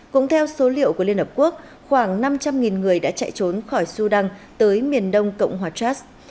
cũng theo số liệu của liên hợp quốc khoảng năm trăm linh người đã chạy trốn khỏi sudan tới miền đông cộng hòa trass